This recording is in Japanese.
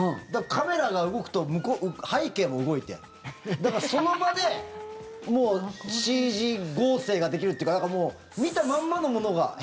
だから、カメラが動くと背景も動いてだから、その場でＣＧ合成ができるっていうか見たまんまのものが。